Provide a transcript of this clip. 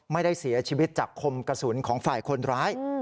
ไม่ได้เสียชีวิตจากคมกระสุนของฝ่ายคนร้าย